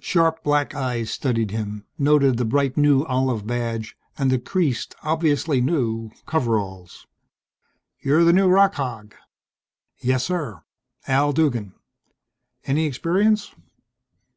Sharp black eyes studied him noted the bright new olive badge, and the creased, obviously new, coveralls. "You're the new rock hog?" "Yes, sir. Al Duggan." "Any experience?"